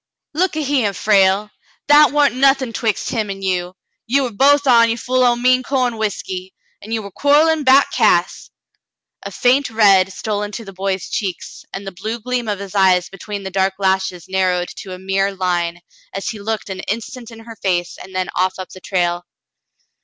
"Look a hyar, Frale. Thar wa'n't nothin' 'twixt him 32 The Mountain Girl an' you. Ye war both on ye full o' mean corn whiskey, an' ye war quarrellin' 'bouts Cass." A faint red stole into the boy's cheeks, and the blue gleam of his eyes between the dark lashes narrowed to a mere line, as he looked an instant in her face and then off up the trail.